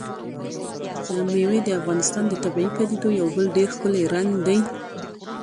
مېوې د افغانستان د طبیعي پدیدو یو بل ډېر ښکلی رنګ دی.